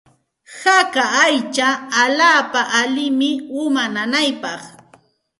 Haka aycha allaapa allinmi uma nanaypaq.